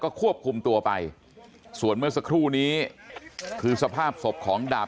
ควบคุมตัวไปส่วนเมื่อสักครู่นี้คือสภาพศพของดาบ